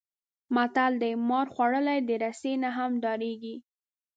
متل دی: مار خوړلی د رسۍ نه هم ډارېږي.